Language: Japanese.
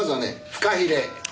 フカヒレ。